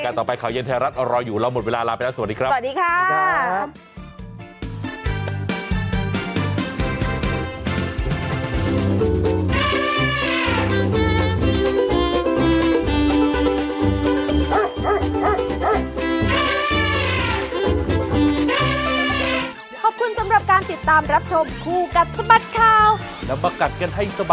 การต่อไปข่าวเย็นแท้รัฐรออยู่แล้วหมดเวลาลาไปแล้วสวัสดีครับ